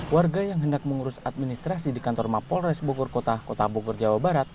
warga yang hendak mengurus administrasi di kantor mapolres bogor kota kota bogor jawa barat